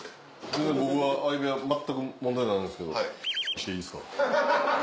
全然僕は相部屋全く問題ないんですけどしていいですか？